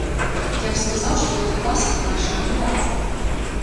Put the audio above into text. Я б сказаў, што гэта класіка нашага тэатра.